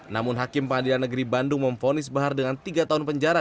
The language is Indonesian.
namun hakim pengadilan negeri bandung memfonis bahar dengan tiga tahun penjara